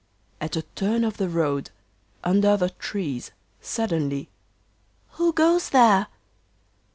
At a turn of the road under the trees, suddenly 'Who goes there?